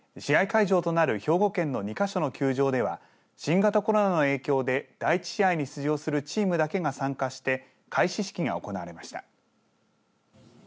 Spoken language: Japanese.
会場となる兵庫県の２か所の球場では新型コロナの影響で第１試合に出場するチームだけが参加して開始式が行われました。